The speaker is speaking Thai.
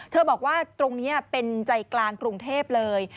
บอกว่าตรงนี้เป็นใจกลางกรุงเทพเลย